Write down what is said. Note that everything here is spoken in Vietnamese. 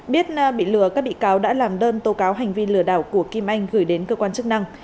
biết bị lừa các bị cáo đã làm đơn tố cáo hành vi lừa đảo của kim anh gửi đến cơ quan chức năng